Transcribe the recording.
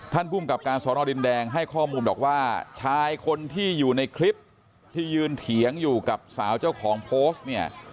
ภูมิกับการสอนอดินแดงให้ข้อมูลบอกว่าชายคนที่อยู่ในคลิปที่ยืนเถียงอยู่กับสาวเจ้าของโพสต์เนี่ย